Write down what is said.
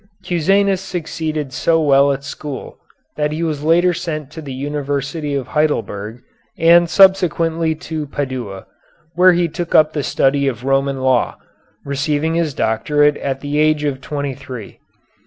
Cusanus succeeded so well at school that he was later sent to the University of Heidelberg, and subsequently to Padua, where he took up the study of Roman law, receiving his doctorate at the age of twenty three.